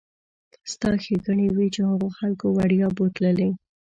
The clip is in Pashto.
ستا ښېګڼې وي چې هغو خلکو وړیا بوتللې.